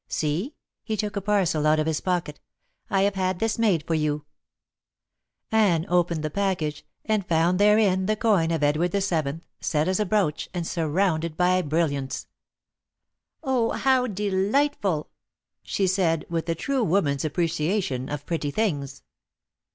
See" he took a parcel out of his pocket "I have had this made for you." Anne opened the package, and found therein the coin of Edward VII. set as a brooch and surrounded by brilliants. "Oh, how delightful!" she said, with a true woman's appreciation of pretty things.